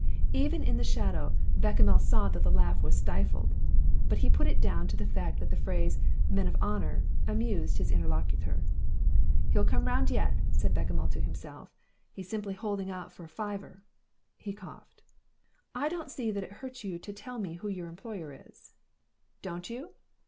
Even in the shadow Bechamel saw that a laugh was stifled, but he put it down to the fact that the phrase "men of honour" amused his interlocutor. "He'll come round yet," said Bechamel to himself. "He's simply holding out for a fiver." He coughed. "I don't see that it hurts you to tell me who your employer is." "Don't you?